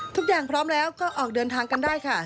พร้อมแล้วก็ออกเดินทางกันได้ค่ะ